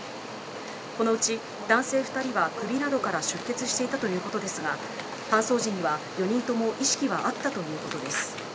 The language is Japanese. このうち、男性２人は首などから出血していたということですが搬送時には４人とも意識はあったということです。